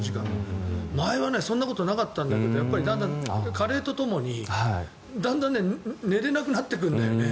前はそんなことなかったんだけど加齢とともに寝れなくなってくるんだよね。